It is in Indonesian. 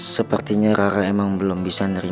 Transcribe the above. berarti kan kamu tadi sampai nulis gini gini